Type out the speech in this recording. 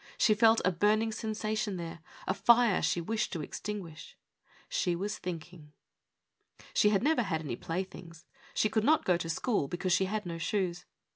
She felt a burning sensation there; a fire she wished to extinguish. She was thinking. She had never had any playthings. She could not go to school because she had no shoes.